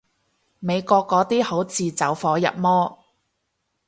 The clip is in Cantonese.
美國嗰啲好似走火入魔